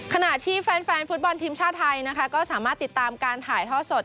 ขณะที่แฟนฟุตบอลทีมชาติไทยนะคะก็สามารถติดตามการถ่ายท่อสด